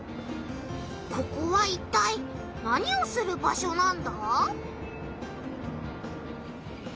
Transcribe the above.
ここはいったい何をする場所なんだ？